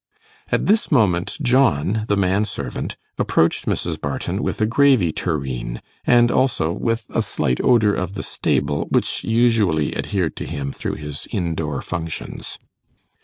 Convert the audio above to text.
At this moment John, the man servant, approached Mrs. Barton with a gravy tureen, and also with a slight odour of the stable, which usually adhered to him through his in door functions.